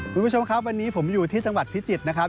คุณผู้ชมครับวันนี้ผมอยู่ที่จังหวัดพิจิตรนะครับ